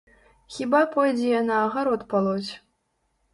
Хіба пойдзе яна агарод палоць?